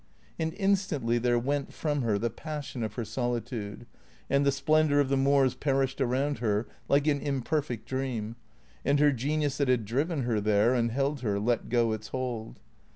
And instantly there went from her the passion of her solitude, and the splendour of the moors perished around her like an imperfect dream, and her genius that had driven her there and held her let go its hold.